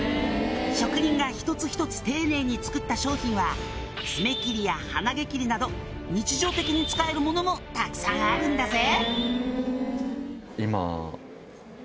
「職人が一つ一つ丁寧に作った商品は爪切りや鼻毛切りなど日常的に使えるものもたくさんあるんだぜ」